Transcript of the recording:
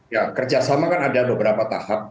ya kerjasama kan ada beberapa tahap